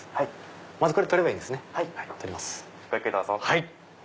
はい。